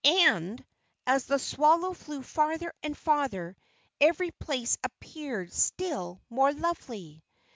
And, as the swallow flew farther and farther, every place appeared still more lovely.